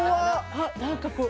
あ何かこう。